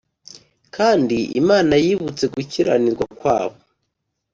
kandi Imana yibutse gukiranirwa kwawo.